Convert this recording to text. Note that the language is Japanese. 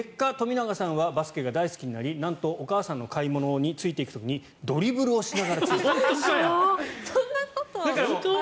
結果、富永さんはバスケが大好きになりなんとお母さんの買い物についていく時にドリブルをしながらついていく。